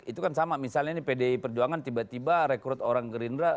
itu kan sama misalnya ini pdi perjuangan tiba tiba rekrut orang gerindra